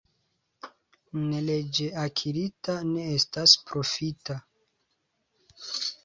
Neleĝe akirita ne estas profita.